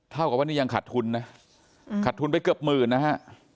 เท่ากับว่านี่ยังขาดทุนนะขาดทุนไปเกือบหมื่นนะฮะ